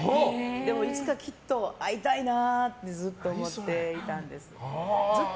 でもいつかきっと会いたいなってずっと思っていたんです。